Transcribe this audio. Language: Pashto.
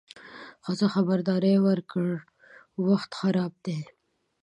ښځه خبرداری ورکړ: وخت خراب دی.